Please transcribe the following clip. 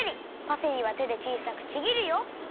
パセリはてでちいさくちぎるよ。